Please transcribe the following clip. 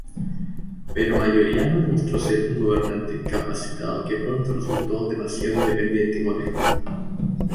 Pero Mayoriano demostró ser un gobernante capacitado que pronto resultó demasiado independiente y molesto.